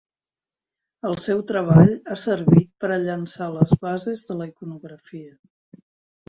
El seu treball ha servit per a llançar les bases de la iconografia.